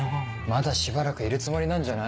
まだしばらくいるつもりなんじゃない？